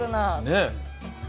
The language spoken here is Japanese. ねえ。